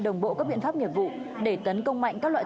đồng bộ các biện pháp nghiệp vụ để tấn công mạnh các loại